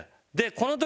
この時？